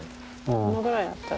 このぐらいあったら。